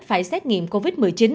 phải xét nghiệm covid một mươi chín